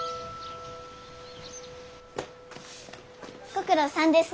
ご苦労さんです。